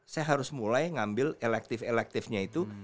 saya harus mulai ngambil elektif elektifnya itu